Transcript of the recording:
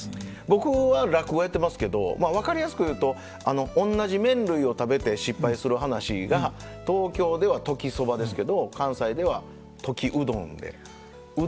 僕は落語やってますけど分かりやすく言うとおんなじ麺類を食べて失敗する噺が東京では「時そば」ですけど関西では「時うどん」でう